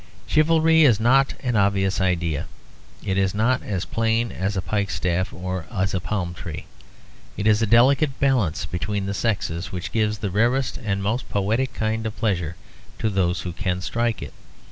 Chivalry is not an obvious idea. It is not as plain as a pike staff or as a palm tree. It is a delicate balance between the sexes which gives the rarest and most poetic kind of pleasure to those who can strike it.